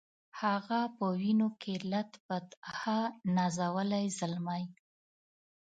هغه په وینو کي لت پت ها نازولی زلمی